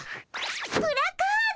プラカード。